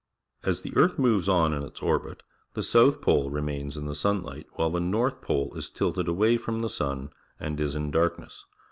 ^■^^" As the earth moves on in its orbit, the § south pole re "■ mains in the n sunlight, while a the north pole "s is tilted away from the sun and is in dark ' ^r^A